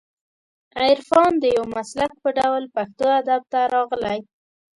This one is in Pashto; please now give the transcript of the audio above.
عرفان د یو مسلک په ډول پښتو ادب ته راغلی